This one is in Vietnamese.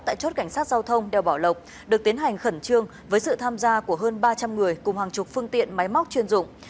tại chốt cảnh sát giao thông đeo bảo lộc được tiến hành khẩn trương với sự tham gia của hơn ba trăm linh người cùng hàng chục phương tiện máy móc chuyên dụng